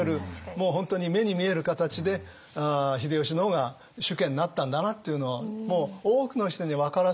もう本当に目に見える形で秀吉の方が主家になったんだなっていうのをもう多くの人に分からせる